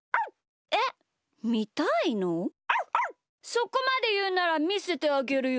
そこまでいうならみせてあげるよ。